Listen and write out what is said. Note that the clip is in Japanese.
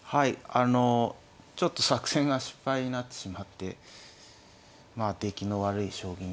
あのちょっと作戦が失敗になってしまってまあ出来の悪い将棋になってしまいました。